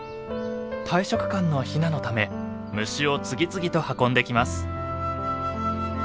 大食漢のヒナのため虫を次々と運んできます。